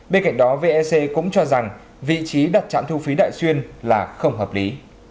bên cạnh đó vec cũng cho rằng vị trí đặt trạm thu phí đại xuyên là không hợp lý